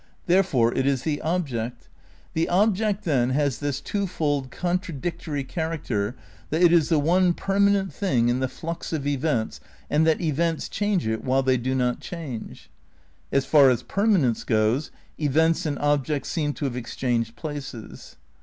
Therefore it is the object. The object then has this twofold contradictory character that it is the one permanent thing in the flux of events and that events change it while they do not change. As far as permanence goes events and objects seem to have ex changed places.